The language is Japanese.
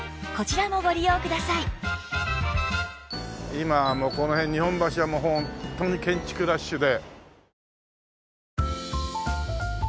今はもうこの辺日本橋はホントに建築ラッシュで。